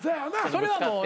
それはもう。